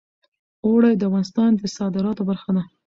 اوړي د افغانستان د صادراتو برخه ده.